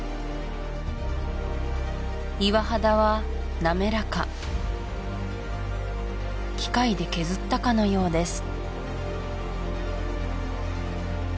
岩肌はなめらか機械で削ったかのようです